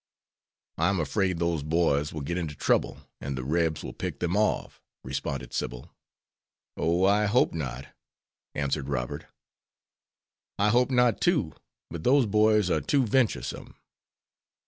"I am afraid those boys will get into trouble, and the Rebs will pick them off," responded Sybil. "O, I hope not," answered Robert. "I hope not, too; but those boys are too venturesome."